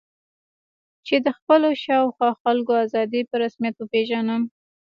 چې د خپلو شا او خوا خلکو آزادي په رسمیت وپېژنم.